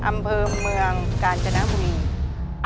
อำเภอเมืองกาญจนบุรี